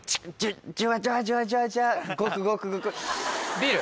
ビール。